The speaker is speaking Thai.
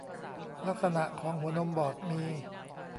ลักษณะของหัวนมบอดมี